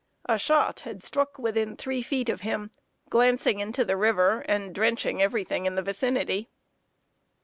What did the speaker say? A shot had struck within three feet of him, glancing into the river, and drenching every thing in the vicinity.